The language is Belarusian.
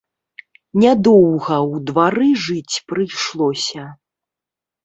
Нядоўга ў двары жыць прыйшлося.